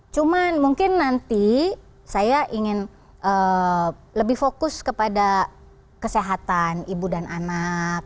cuman mungkin nanti saya ingin lebih fokus kepada kesehatan ibu dan anak